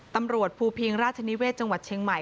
ตำรวจภูเพียงราชนิเวศจังหวัดเชงห์มั้ย